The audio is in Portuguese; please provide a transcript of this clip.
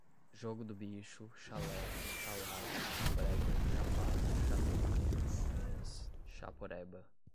jogo do bicho, chalé, chalar, chambrega, chapado, chapinha, tampinhas, chaporeba